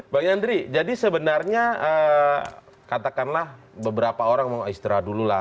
bang yandri jadi sebenarnya katakanlah beberapa orang mau istirahat dulu lah